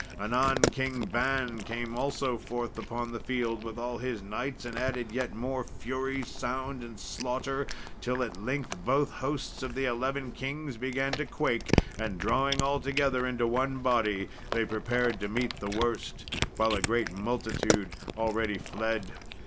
Anon King Ban came also forth upon the field with all his knights, and added yet more fury, sound, and slaughter, till at length both hosts of the eleven kings began to quake, and drawing all together into one body, they prepared to meet the worst, while a great multitude already fled.